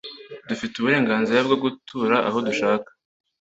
Dufite uburenganzira bwo gutura aho dushaka.